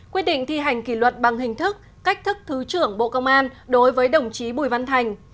quyết định thi hành kỷ luật bằng hình thức cách thức thứ trưởng bộ công an đối với đồng chí bùi văn thành